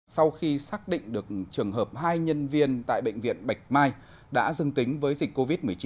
sau khi xác định được trường hợp hai nhân viên tại bệnh viện bạch mai đã dừng tính với dịch covid một mươi chín